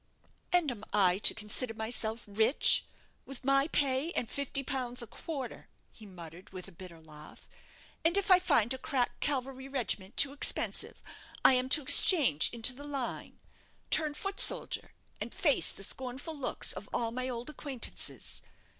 "And I am to consider myself rich with my pay and fifty pounds a quarter," he muttered, with a bitter laugh; "and if I find a crack cavalry regiment too expensive, I am to exchange into the line turn foot soldier, and face the scornful looks of all my old acquaintances.